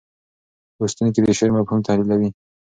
لوستونکي د شعر مفهوم تحلیلوي.